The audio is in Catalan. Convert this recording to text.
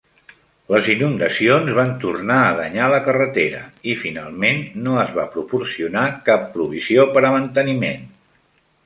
Les inundacions van tornar a danyar la carretera i, finalment, no es va proporcionar cap provisió per a manteniment.